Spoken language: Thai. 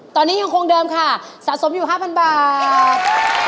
ตอนนี้ยังคงเดิมค่ะสะสมอยู่๕๐๐บาท